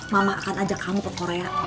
mama akan ajak kamu ke korea